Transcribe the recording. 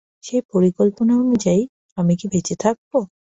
সেই পরিকল্পনা অনুযায়ী আমি কি বেঁচে থাকব?